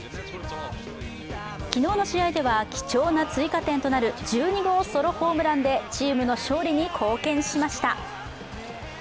昨日の試合では貴重な追加点となる１２号ソロホームランでチームの勝利に貢献しました。